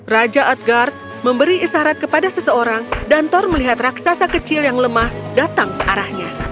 raja adgard memberi isyarat kepada seseorang dan thor melihat raksasa kecil yang lemah datang ke arahnya